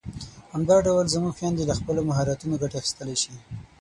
همدا ډول زموږ خويندې له خپلو مهارتونو ګټه اخیستلای شي.